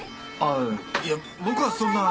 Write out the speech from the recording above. あいや僕はそんな。